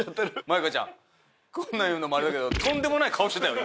舞香ちゃんこんなん言うのもあれだけどとんでもない顔してたよ